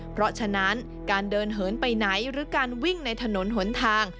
เพราะฉะนั้นการเดินเหินไปไหนหรือการวิ่งในถนนหนทาง